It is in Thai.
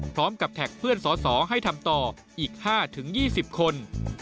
พร้อมกับแท็กเพื่อนสสให้ทำต่ออีก๕๒๐คน